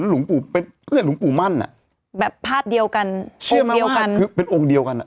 หลวงปู่เป็นเรียกหลวงปู่มั่นอ่ะแบบภาพเดียวกันชื่อเดียวกันคือเป็นองค์เดียวกันอ่ะ